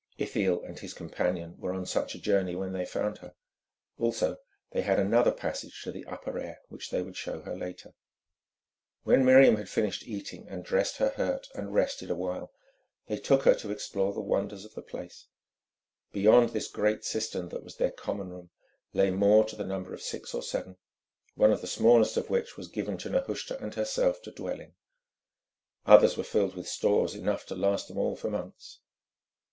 Ithiel and his companion were on such a journey when they found her. Also they had another passage to the upper air which they would show her later. When Miriam had finished eating, dressed her hurt, and rested a while, they took her to explore the wonders of the place. Beyond this great cistern, that was their common room, lay more to the number of six or seven, one of the smallest of which was given to Nehushta and herself to dwell in. Others were filled with stores enough to last them all for months.